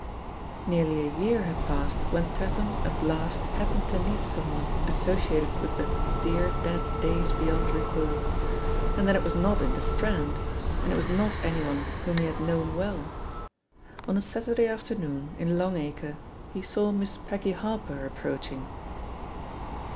*' Nearly a year had passed when Tatham at last happened to meet someone associated with the "dear dead days beyond recall," and then it was not in the Strand, and it was not anyone whom he had known well. On a Saturday afternoon, in Long Acre, he saw Miss Peggy Harper approaching.